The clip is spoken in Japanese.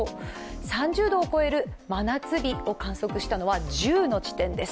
３０度を超える真夏日を観測したのは１０の地点です。